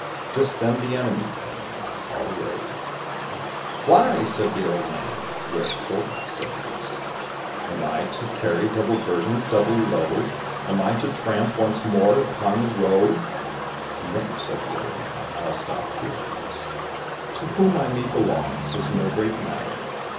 Just then the enemy came, all arrayed: "Fly," said the Old Man. "Wherefore?" said the beast; "Am I to carry double burden double load? Am I to tramp once more upon the road?" "No," said the Old Man; "I'll stop here, at least." "To whom I may belong is no great matter.